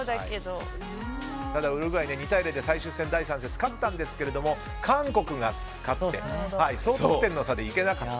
ただウルグアイ２対０で最終戦第３節勝ったんですけど韓国が勝って、総得点の差で行けなかった。